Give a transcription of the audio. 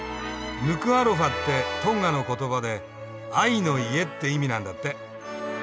「ヌクアロファ」ってトンガの言葉で「愛の家」って意味なんだって。